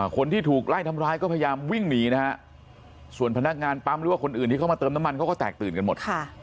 คนที่ถูกไล่ทำร้ายก็พยายามวิ่งหนีนะฮะส่วนพนักงานปั๊มหรือว่าคนอื่นที่เข้ามาเติมน้ำมันเขาก็แตกตื่นกันหมด